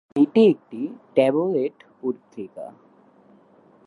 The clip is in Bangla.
এটি একটি ট্যাবলয়েড পত্রিকা।